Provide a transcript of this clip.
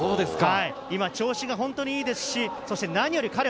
今、調子が本当にいいですし、何より彼は